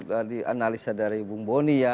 dari analisa dari ibu bonnie ya